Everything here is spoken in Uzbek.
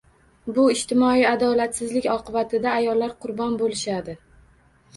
Bu ijtimoiy adolatsizlik oqibatida ayollar qurbon bo'lishadi